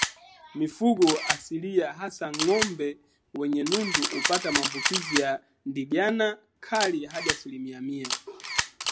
Mifugo asilia hasa ngombe wenye nundu hupata maambukizi ya ndigana kali hadi asilimia mia